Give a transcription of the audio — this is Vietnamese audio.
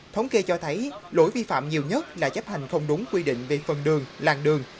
thống kê cho thấy lỗi vi phạm nhiều nhất là chấp hành không đúng quy định về phần đường làng đường